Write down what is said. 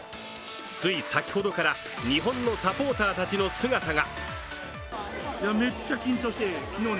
つい先ほどから日本のサポーターたちの姿が。